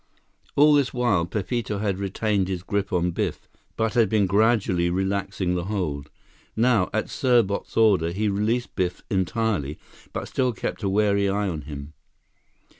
All this while, Pepito had retained his grip on Biff, but had been gradually relaxing the hold. Now, at Serbot's order, he released Biff entirely, but still kept a wary eye on him.